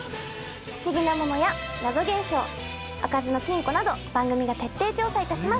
不思議なものや謎現象開かずの金庫など番組が徹底調査いたします。